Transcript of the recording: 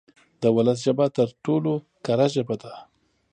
د ولس ژبه تر ټولو کره ژبه ده.